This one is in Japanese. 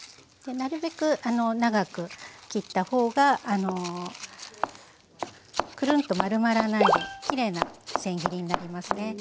でなるべく長く切った方がくるんと丸まらないできれいなせん切りになりますね。